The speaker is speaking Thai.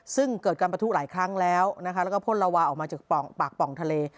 ซึ่งเกิดการประทุหลายครั้งแล้วนะคะแล้วก็พ่นละวาออกมาจากปากป่องทะเล